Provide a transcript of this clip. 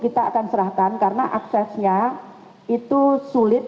kita akan serahkan karena aksesnya itu sulit